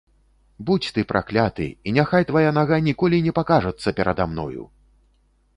Будзь ты пракляты, і няхай твая нага ніколі не пакажацца перада мною!